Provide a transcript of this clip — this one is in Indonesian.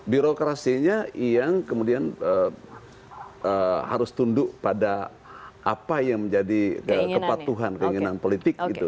birokrasinya yang kemudian harus tunduk pada apa yang menjadi kepatuhan keinginan politik gitu